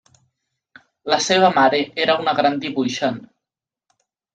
La seva mare era una gran dibuixant.